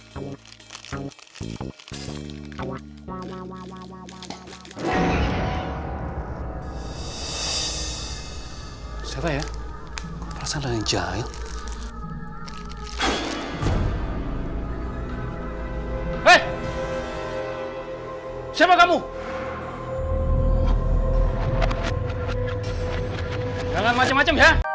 kok perasaan lagi jahat